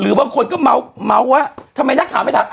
บางคนก็เมาส์ว่าทำไมนักข่าวไม่ถาม